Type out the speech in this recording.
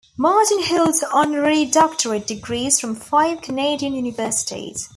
Martin holds honorary doctorate degrees from five Canadian universities.